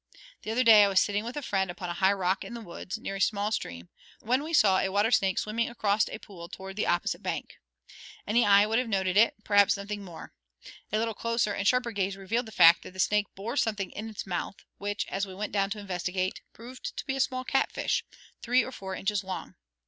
The other day I was sitting with a friend upon a high rock in the woods, near a small stream, when we saw a water snake swimming across a pool toward the opposite bank. Any eye would have noted it, perhaps nothing more. A little closer and sharper gaze revealed the fact that the snake bore something in its mouth, which, as we went down to investigate, proved to be a small cat fish, three or four inches long.